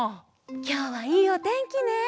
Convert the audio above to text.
きょうはいいおてんきね！